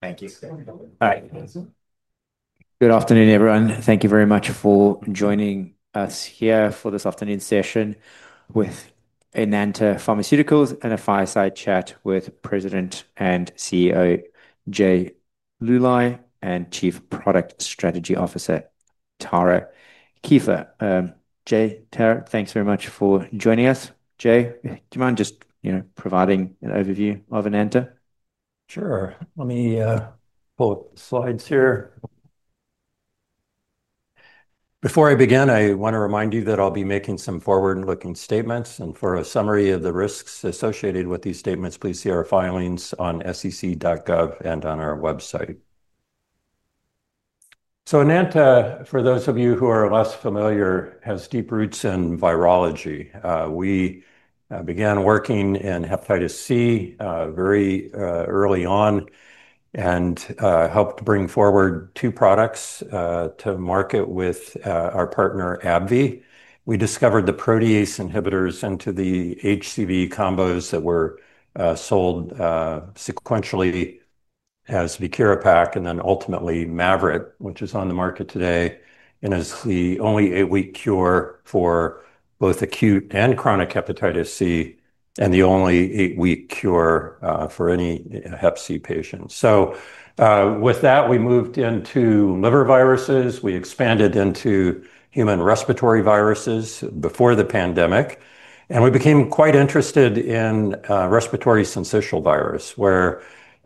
Thank you. All right. Good afternoon, everyone. Thank you very much for joining us here for this afternoon session with Enanta Pharmaceuticals, Inc. and a fireside chat with President and Chief Executive Officer Jay R. Luly and Chief Product Strategy Officer Tara L. Kieffer. Jay, Tara, thanks very much for joining us. Jay, do you mind just, you know, providing an overview of Enanta? Sure. Let me pull up the slides here. Before I begin, I want to remind you that I'll be making some forward-looking statements, and for a summary of the risks associated with these statements, please see our filings on sec.gov and on our website. Enanta, for those of you who are less familiar, has deep roots in virology. We began working in hepatitis C very early on and helped bring forward two products to market with our partner AbbVie. We discovered the protease inhibitors into the HCV combos that were sold sequentially as Viekira Pak and then ultimately MAVYRET, which is on the market today and is the only eight-week cure for both acute and chronic hepatitis C and the only eight-week cure for any hep C patient. With that, we moved into liver viruses. We expanded into human respiratory viruses before the pandemic, and we became quite interested in respiratory syncytial virus, where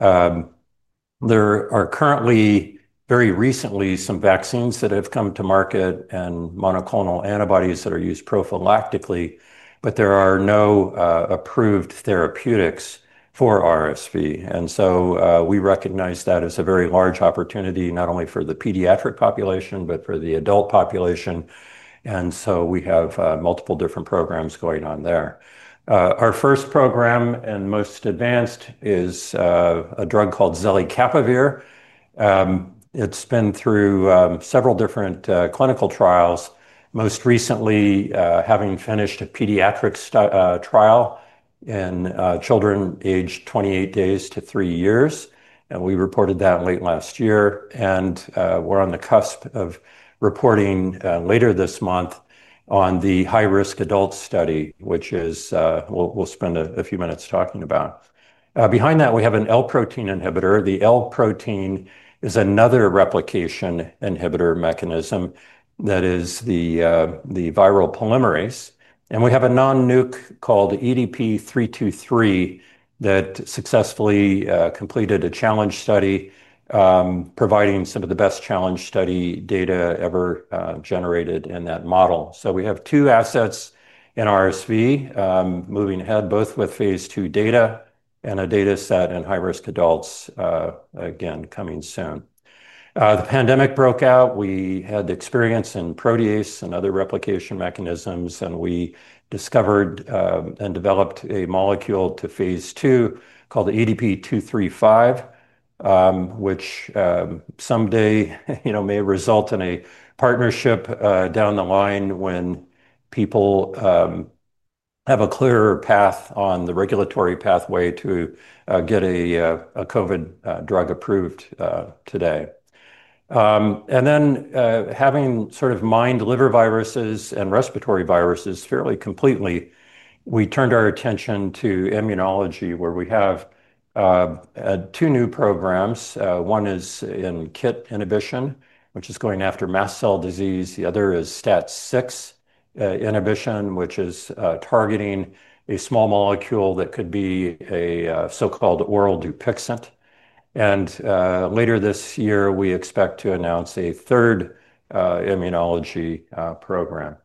there are currently very recently some vaccines that have come to market and monoclonal antibodies that are used prophylactically, but there are no approved therapeutics for RSV. We recognize that as a very large opportunity, not only for the pediatric population, but for the adult population. We have multiple different programs going on there. Our first program and most advanced is a drug called Zelekapivir. It's been through several different clinical trials, most recently having finished a pediatric trial in children aged 28 days to three years. We reported that late last year, and we're on the cusp of reporting later this month on the high-risk adult study, which we'll spend a few minutes talking about. Behind that, we have an L-protein inhibitor. The L-protein is another replication inhibitor mechanism that is the viral polymerase. We have a non-nucleoside RSV inhibitor called EDP-323 that successfully completed a challenge study, providing some of the best challenge study data ever generated in that model. We have two assets in RSV moving ahead, both with phase 2 data and a data set in high-risk adults, again coming soon. The pandemic broke out. We had the experience in protease and other replication mechanisms, and we discovered and developed a molecule to phase 2 called EDP-235, which someday, you know, may result in a partnership down the line when people have a clearer path on the regulatory pathway to get a COVID-19 drug approved today. And then, having sort of mined liver viruses and respiratory viruses fairly completely, we turned our attention to immunology where we have two new programs. One is in KIT inhibition, which is going after mast cell disease. The other is STAT6 inhibition, which is targeting a small molecule that could be a so-called oral Dupixent. Later this year, we expect to announce a third immunology program.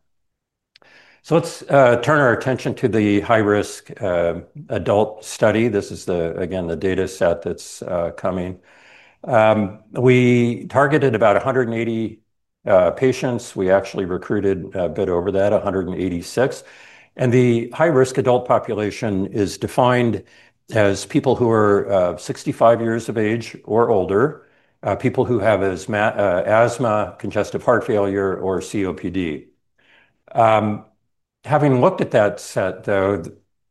Let's turn our attention to the high-risk adult study. This is, again, the data set that's coming. We targeted about 180 patients. We actually recruited a bit over that, 186. The high-risk adult population is defined as people who are 65 years of age or older, people who have asthma, congestive heart failure, or COPD. Having looked at that set, though,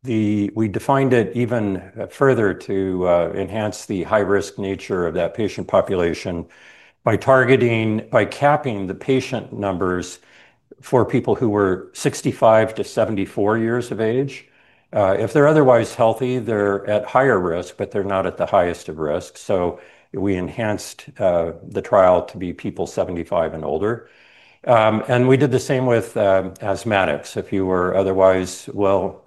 we defined it even further to enhance the high-risk nature of that patient population by capping the patient numbers for people who were 65 to 74 years of age. If they're otherwise healthy, they're at higher risk, but they're not at the highest of risk. We enhanced the trial to be people 75 and older. We did the same with asthmatics. If you were otherwise, well,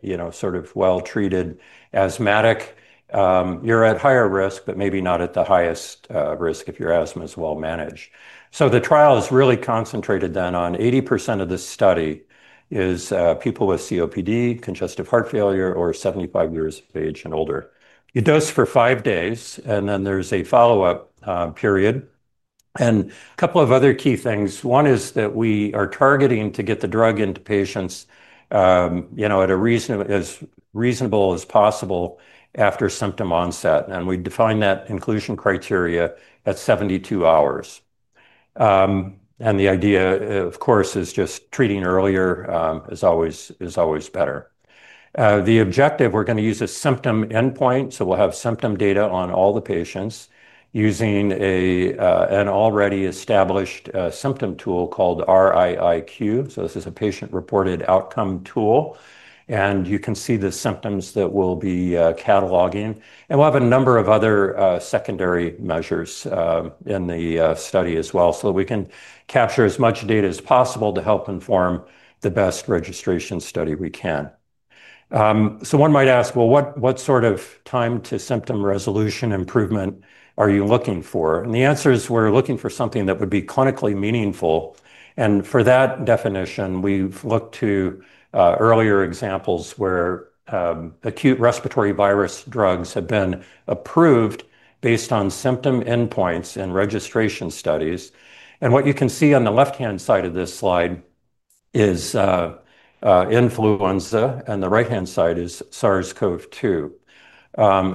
you know, sort of well-treated asthmatic, you're at higher risk, but maybe not at the highest risk if your asthma is well managed. The trial is really concentrated then on 80% of the study as people with COPD, congestive heart failure, or 75 years of age and older. You dose for five days, and then there's a follow-up period. A couple of other key things: one is that we are targeting to get the drug into patients at a reasonable, as reasonable as possible after symptom onset. We define that inclusion criteria at 72 hours. The idea, of course, is just treating earlier is always better. The objective, we're going to use a symptom endpoint. We'll have symptom data on all the patients using an already established symptom tool called RIIQ. This is a patient-reported outcome tool. You can see the symptoms that we'll be cataloging. We'll have a number of other secondary measures in the study as well so that we can capture as much data as possible to help inform the best registration study we can. One might ask, what sort of time to symptom resolution improvement are you looking for? The answer is we're looking for something that would be clinically meaningful. For that definition, we've looked to earlier examples where acute respiratory virus drugs have been approved based on symptom endpoints and registration studies. What you can see on the left-hand side of this slide is influenza, and the right-hand side is SARS-CoV-2.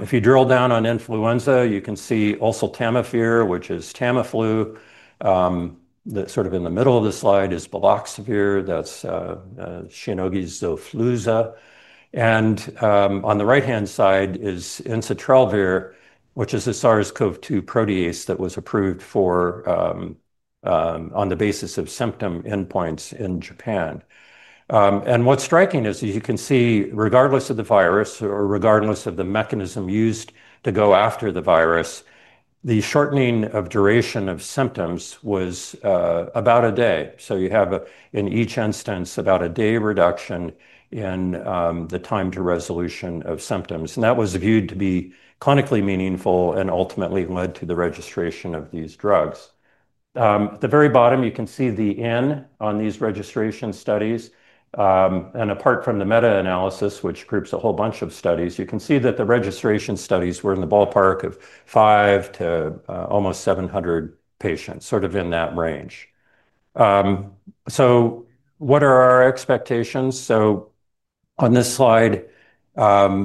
If you drill down on influenza, you can see also Tamiflu, which is Tamiflu. In the middle of the slide is baloxavir. That's Shionogi Xofluza. On the right-hand side is ensitrelvir, which is a SARS-CoV-2 protease that was approved on the basis of symptom endpoints in Japan. What's striking is you can see, regardless of the virus or regardless of the mechanism used to go after the virus, the shortening of duration of symptoms was about a day. You have in each instance about a day reduction in the time to resolution of symptoms. That was viewed to be clinically meaningful and ultimately led to the registration of these drugs. At the very bottom, you can see the N on these registration studies. Apart from the meta-analysis, which groups a whole bunch of studies, you can see that the registration studies were in the ballpark of 500 to almost 700 patients, sort of in that range. What are our expectations? On this slide, our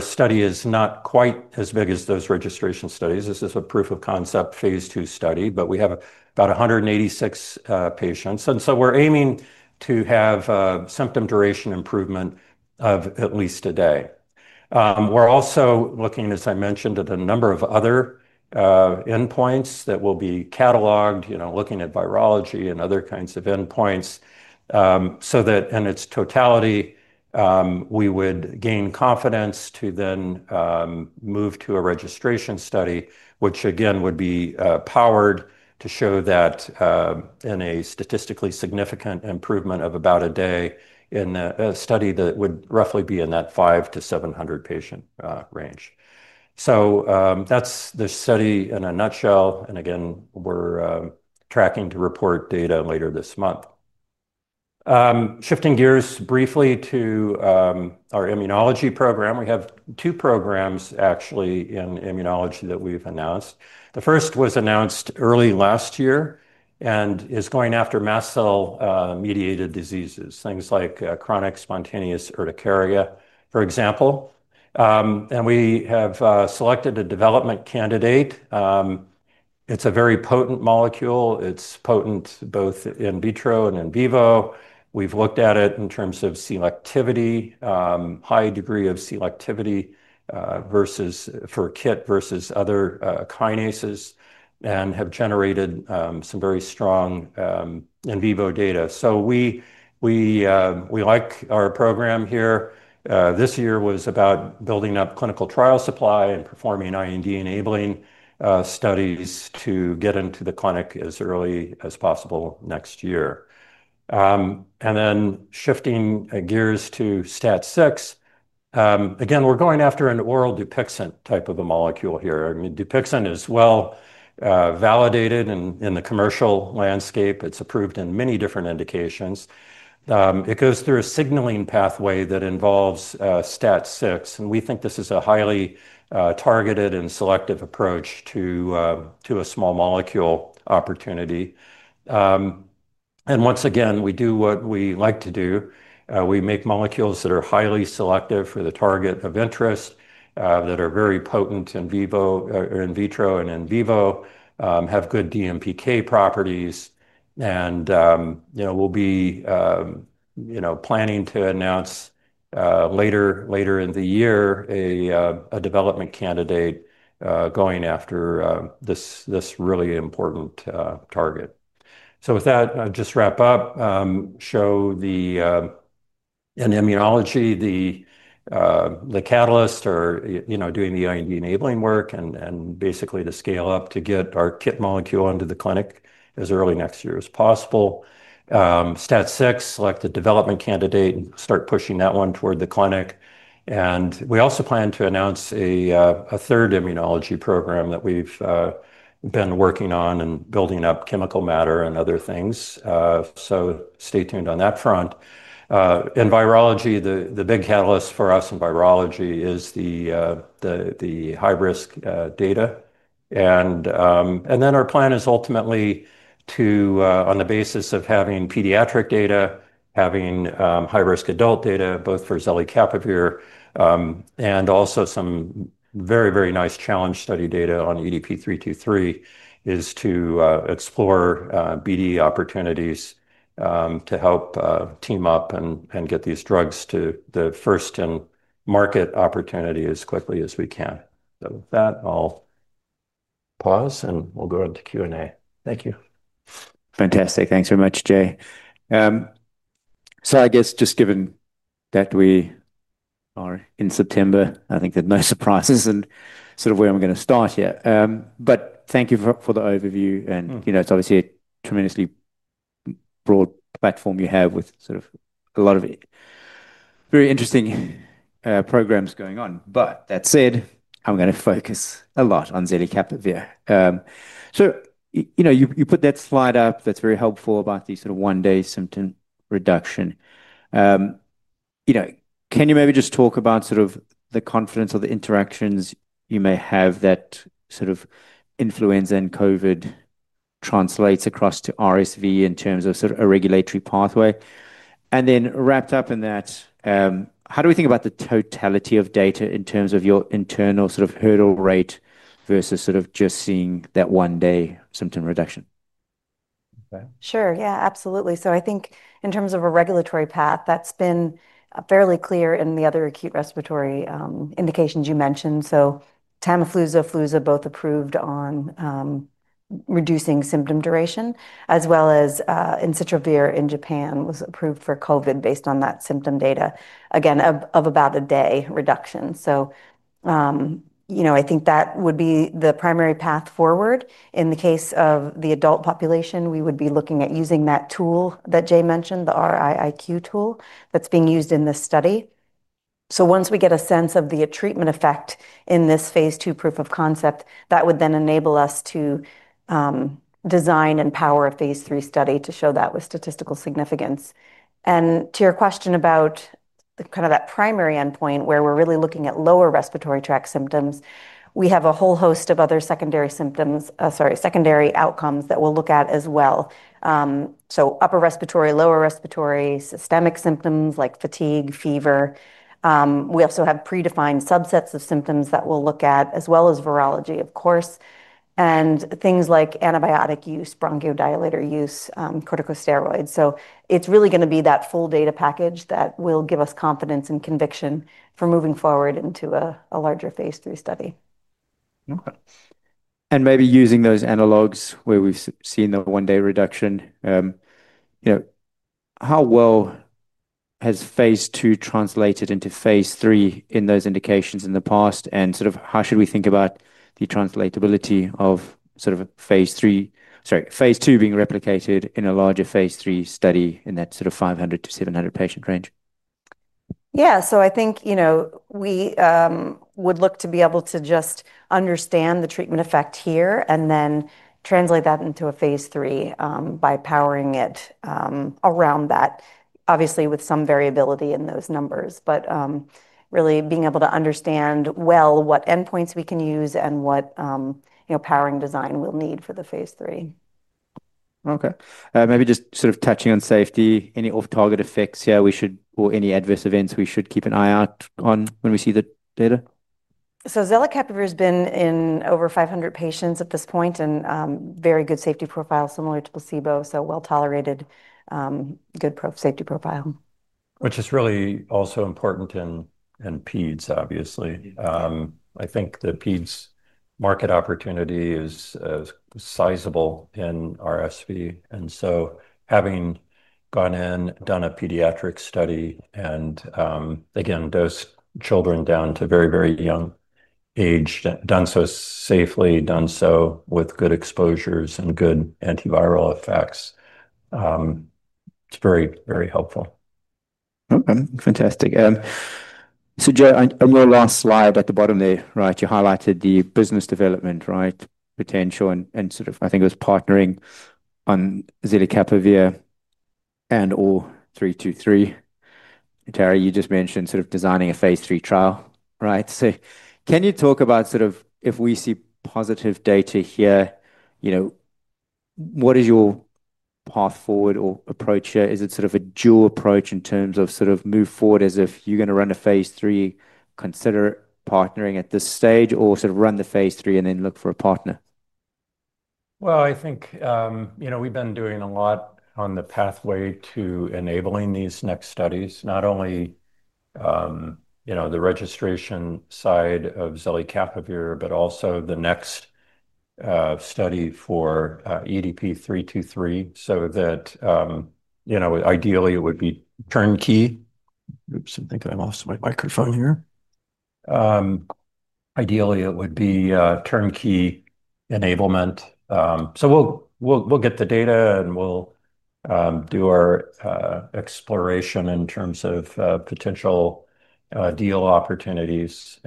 study is not quite as big as those registration studies. This is a proof of concept phase 2 study, but we have about 186 patients. We're aiming to have a symptom duration improvement of at least a day. We're also looking, as I mentioned, at a number of other endpoints that will be cataloged, looking at virology and other kinds of endpoints. In its totality, we would gain confidence to then move to a registration study, which again would be powered to show that, in a statistically significant improvement of about a day in a study that would roughly be in that 500 to 700 patient range. That's the study in a nutshell. We're tracking to report data later this month. Shifting gears briefly to our immunology program, we have two programs actually in immunology that we've announced. The first was announced early last year and is going after mast cell-mediated diseases, things like chronic spontaneous urticaria, for example. We have selected a development candidate. It's a very potent molecule. It's potent both in vitro and in vivo. We've looked at it in terms of selectivity, high degree of selectivity for KIT versus other kinases, and have generated some very strong in vivo data. We like our program here. This year was about building up clinical trial supply and performing IND-enabling studies to get into the clinic as early as possible next year. Then shifting gears to STAT6, we're going after an oral Dupixent type of a molecule here. I mean, Dupixent is well validated in the commercial landscape. It's approved in many different indications. It goes through a signaling pathway that involves STAT6. We think this is a highly targeted and selective approach to a small molecule opportunity. Once again, we do what we like to do. We make molecules that are highly selective for the target of interest, that are very potent in vitro and in vivo, have good DMPK properties. We'll be planning to announce later in the year a development candidate going after this really important target. With that, I'll just wrap up. In immunology, the catalyst is doing the IND-enabling work and basically to scale up to get our KIT molecule into the clinic as early next year as possible. STAT6, select the development candidate and start pushing that one toward the clinic. We also plan to announce a third immunology program that we've been working on and building up chemical matter and other things, so stay tuned on that front. In virology, the big catalyst for us in virology is the high-risk data. Our plan is ultimately to, on the basis of having pediatric data, having high-risk adult data, both for Zelekapivir, and also some very nice challenge study data on EDP-323, is to explore BD opportunities to help team up and get these drugs to the first in market opportunity as quickly as we can. With that, I'll pause and we'll go into Q and A. Thank you. Fantastic. Thanks very much, Jay. I guess just given that we are in September, I think there's no surprises in sort of where I'm going to start here. Thank you for the overview. You know, it's obviously a tremendously broad platform you have with a lot of very interesting programs going on. That said, I'm going to focus a lot on Zelekapivir. You put that slide up that's very helpful about the one-day symptom reduction. Can you maybe just talk about the confidence or the interactions you may have that influenza and COVID-19 translates across to respiratory syncytial virus in terms of a regulatory pathway? Wrapped up in that, how do we think about the totality of data in terms of your internal hurdle rate versus just seeing that one-day symptom reduction? Sure. Yeah, absolutely. I think in terms of a regulatory path, that's been fairly clear in the other acute respiratory indications you mentioned. Tamiflu, Xofluza, both approved on reducing symptom duration, as well as ensitrelvir in Japan was approved for COVID-19 based on that symptom data, again, of about a day reduction. I think that would be the primary path forward. In the case of the adult population, we would be looking at using that tool that Jay mentioned, the RIIQ tool that's being used in this study. Once we get a sense of the treatment effect in this phase 2 proof of concept, that would then enable us to design and power a phase 3 study to show that with statistical significance. To your question about kind of that primary endpoint where we're really looking at lower respiratory tract symptoms, we have a whole host of other secondary outcomes that we'll look at as well. Upper respiratory, lower respiratory, systemic symptoms like fatigue, fever. We also have predefined subsets of symptoms that we'll look at, as well as virology, of course, and things like antibiotic use, bronchodilator use, corticosteroids. It's really going to be that full data package that will give us confidence and conviction for moving forward into a larger phase 3 study. Okay. Maybe using those analogs where we've seen the one-day reduction, how well has phase 2 translated into phase 3 in those indications in the past? How should we think about the translatability of phase 2 being replicated in a larger phase 3 study in that 500 to 700 patient range? I think, you know, we would look to be able to just understand the treatment effect here and then translate that into a phase 3 by powering it around that. Obviously, with some variability in those numbers, but really being able to understand well what endpoints we can use and what, you know, powering design we'll need for the phase 3. Okay. Maybe just sort of touching on safety, any off-target effects here we should, or any adverse events we should keep an eye out on when we see the data? Zelekapivir has been in over 500 patients at this point, and very good safety profile similar to placebo. So well tolerated, good safety profile. Which is really also important in peds, obviously. I think the peds market opportunity is sizable in RSV. Having gone in, done a pediatric study, and again, dose children down to very, very young age, done so safely, done so with good exposures and good antiviral effects, it's very, very helpful. Okay. Fantastic. Jay, I remember the last slide at the bottom there, right? You highlighted the business development potential and sort of, I think it was partnering on Zelekapivir and/or 323. Tara, you just mentioned designing a phase 3 trial, right? Can you talk about if we see positive data here, what is your path forward or approach here? Is it a dual approach in terms of move forward as if you're going to run a phase 3, consider partnering at this stage, or run the phase 3 and then look for a partner? I think, you know, we've been doing a lot on the pathway to enabling these next studies, not only the registration side of Zelekapivir, but also the next study for EDP-323 so that, you know, ideally it would be turnkey. I think I lost my microphone here. Ideally it would be turnkey enablement. We'll get the data and we'll do our exploration in terms of potential deal opportunities.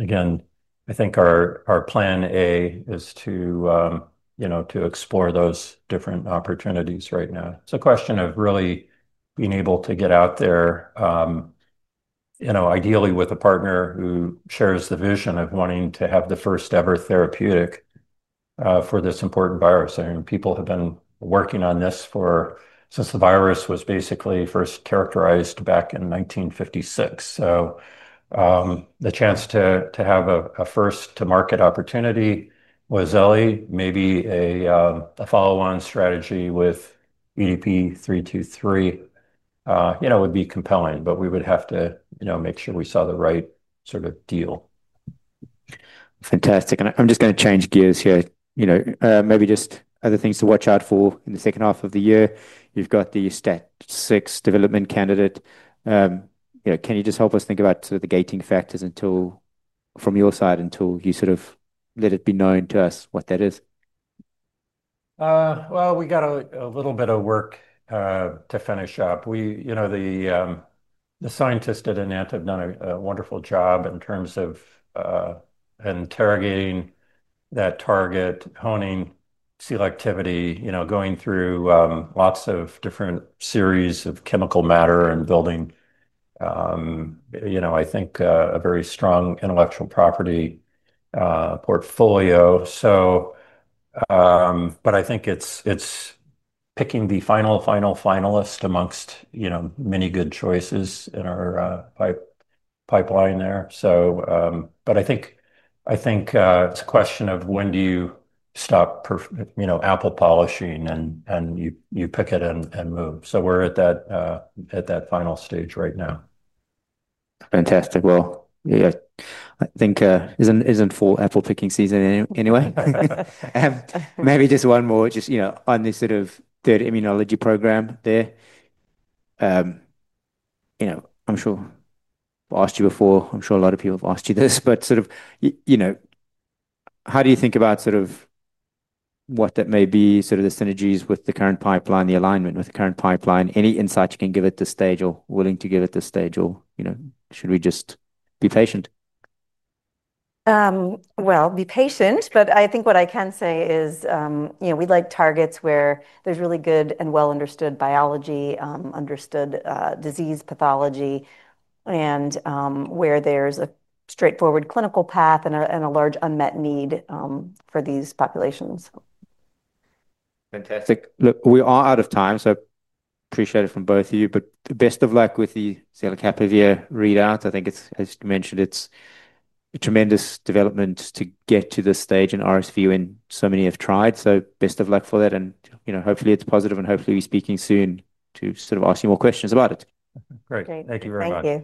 Again, I think our plan A is to explore those different opportunities right now. It's a question of really being able to get out there, ideally with a partner who shares the vision of wanting to have the first ever therapeutic for this important virus. People have been working on this since the virus was basically first characterized back in 1956. The chance to have a first-to-market opportunity with Zelekapivir, maybe a follow-on strategy with EDP-323, would be compelling, but we would have to make sure we saw the right sort of deal. Fantastic. I'm just going to change gears here. Maybe just other things to watch out for in the second half of the year. You've got the STAT6 development candidate. Can you just help us think about sort of the gating factors from your side until you sort of let it be known to us what that is? We have a little bit of work to finish up. The scientists at Enanta have done a wonderful job in terms of interrogating that target, honing selectivity, going through lots of different series of chemical matter, and building, I think, a very strong intellectual property portfolio. I think it's picking the final finalist amongst many good choices in our pipeline there. I think it's a question of when do you stop apple polishing and you pick it and move. We're at that final stage right now. Fantastic. I think, isn't it apple picking season anyway? I have maybe just one more, just on this sort of third immunology program there. I'm sure I've asked you before, I'm sure a lot of people have asked you this, but how do you think about what that may be, the synergies with the current pipeline, the alignment with the current pipeline, any insights you can give at this stage or willing to give at this stage, or should we just be patient? I think what I can say is, you know, we'd like targets where there's really good and well-understood biology, understood disease pathology, and where there's a straightforward clinical path and a large unmet need for these populations. Fantastic. We are out of time, so I appreciate it from both of you, but best of luck with the Zelekapivir readout. I think, as you mentioned, it's a tremendous development to get to this stage in RSV when so many have tried. Best of luck for that. Hopefully it's positive and hopefully we'll be speaking soon to sort of ask you more questions about it. Great. Thank you very much.